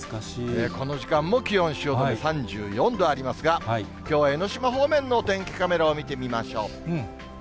この時間も気温、汐留３４度ありますが、きょうは江の島方面のお天気カメラを見てみましょう。